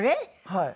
はい。